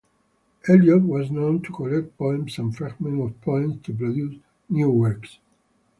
Eliot was known to collect poems and fragments of poems to produce new works.